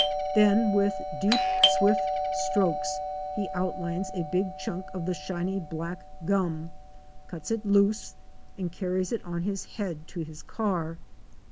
Then with deep swift strokes he outlines a big chunk of the shiny black gum, cuts it loose, and carries it on his head to his car.